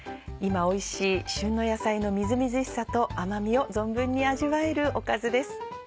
今おいしい旬の野菜のみずみずしさと甘みを存分に味わえるおかずです。